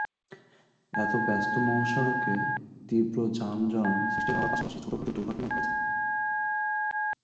এতে ব্যস্ত মহাসড়কে তীব্র যানজন সৃষ্টি হওয়ার পাশাপাশি ছোটখাটো দুর্ঘটনা ঘটছে।